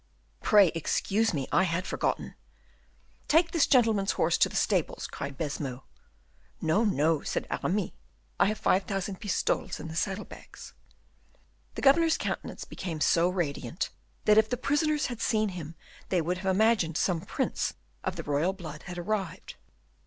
"Pray, excuse me, I had forgotten. Take this gentleman's horse to the stables," cried Baisemeaux. "No, no," said Aramis; "I have five thousand pistoles in the saddle bags." The governor's countenance became so radiant, that if the prisoners had seen him they would have imagined some prince of the royal blood had arrived.